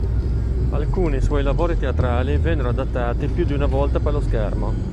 Alcuni suoi lavori teatrali vennero adattati più di una volta per lo schermo.